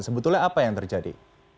sebetulnya apa yang terjadi